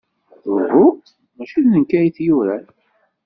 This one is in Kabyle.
Uhu, maci d nekk ay t-yuran.